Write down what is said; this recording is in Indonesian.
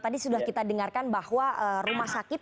pak adip tadi sudah kita dengarkan bahwa rumah sakit